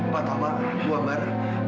pak taufan bu amar